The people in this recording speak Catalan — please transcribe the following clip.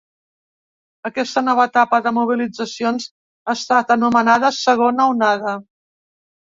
Aquesta nova etapa de mobilitzacions ha estat anomenada segona onada.